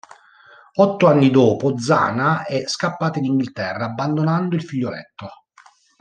Otto anni dopo, Zana è scappata in Inghilterra, abbandonando il figlioletto.